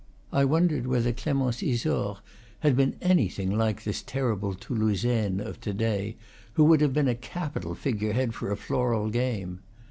I won dered whether Clemence Isaure had been anything like this terrible Toulousaine of to day, who would have been a capital figure head for a floral game.